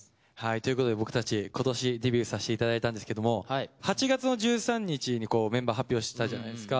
ということで僕たち今年デビューさせていただいたんですけども８月の１３日にメンバー発表したじゃないですか。